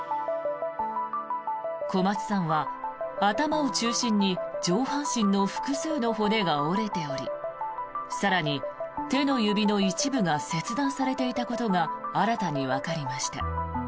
小松さんは頭を中心に上半身の複数の骨が折れており更に、手の指の一部が切断されていたことが新たにわかりました。